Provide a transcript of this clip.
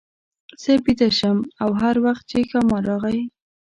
زه بېده شم او هر وخت چې ښامار راغی.